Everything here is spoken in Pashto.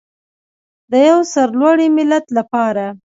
د یو سرلوړي ملت لپاره.